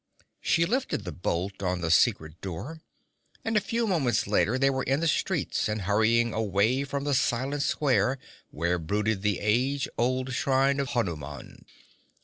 She lifted the bolt on the secret door, and a few moments later they were in the streets and hurrying away from the silent square where brooded the age old shrine of Hanuman.